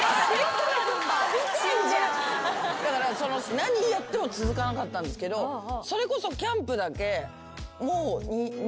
だから何やっても続かなかったんですけどそれこそ。